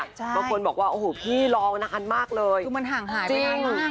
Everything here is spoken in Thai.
มีคนบอกว่าเฮ้วพี่รองนานมากเลยจริง